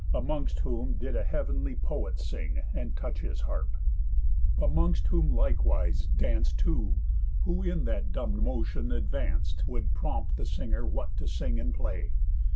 Amongst whom did a heav'nly poet sing, And touch his harp. Amongst whom likewise danc'd Two, who in that dumb motion advanc'd, Would prompt the singer what to sing and play.